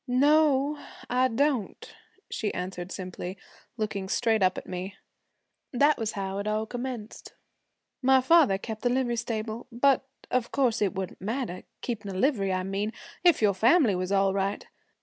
'No, I don't,' she answered simply, looking straight up at me. 'That was how it all commenced. My father kept the livery stable. But of course it wouldn't matter keepin' a livery, I mean if your family was all right.